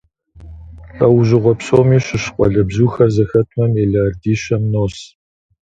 ЛӀэужьыгъуэ псоми щыщ къуалэбзухэр зэхэтмэ, миллиардищэм нос.